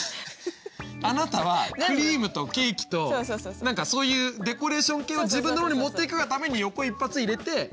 あなたはクリームとケーキと何かそういうデコレーション系は自分の方に持っていくがために横一発入れて。